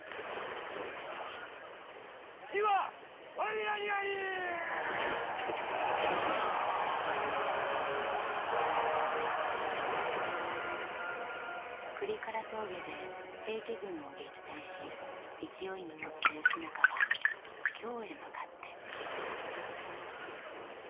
倶利伽羅峠で平家軍を撃退し勢いに乗った義仲は京へ向かって突き進む。